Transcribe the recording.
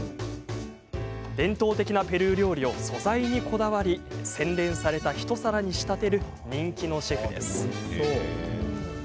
伝統的なペルー料理を素材にこだわり洗練された一皿に仕立てる人気のシェフです。